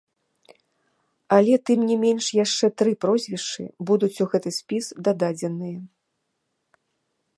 Але, тым не менш, яшчэ тры прозвішчы будуць у гэты спіс дададзеныя.